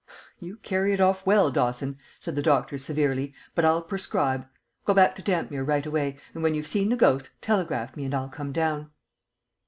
"You carry it off well, Dawson," said the doctor, severely, "but I'll prescribe. Go back to Dampmere right away, and when you've seen the ghost, telegraph me and I'll come down."